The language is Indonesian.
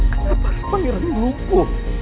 kenapa harus panggilannya lupu